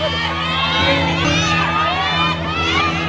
เมื่อกี้ชั้นจะรับ